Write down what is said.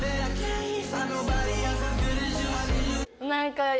何か。